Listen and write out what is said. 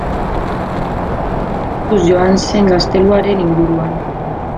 Edo Aroan herria garatuz joan zen gazteluaren inguruan.